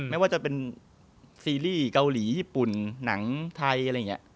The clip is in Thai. ไม่ว่าจะเป็นซีรีส์เกาหลีญี่ปุ่นหนังไทย